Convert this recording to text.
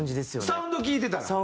サウンド聴いてたら。